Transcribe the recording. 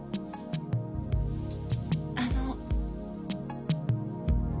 あの？